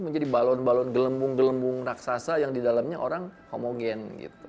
menjadi balon balon gelembung gelembung raksasa yang di dalamnya orang homogen